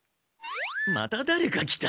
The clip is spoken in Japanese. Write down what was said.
まただれか来た。